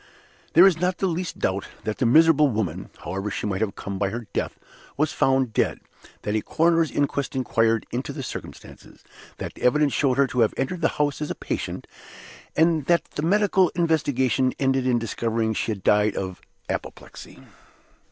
There is not the least doubt that the miserable woman (however she might have come by her death) was found dead that a coroner's inquest inquired into the circumstances that the evidence showed her to have entered the house as a patient and that the medical investigation ended in discovering that she had died of apoplexy.